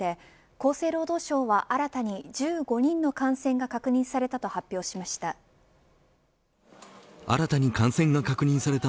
厚生労働省は新たに１５人の感染が確認されたと発表しました。